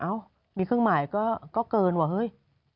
เอ้ามีเครื่องหมายก็เกินว่ะเฮ้ย